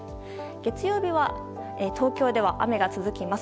月曜日は東京では雨が続きます。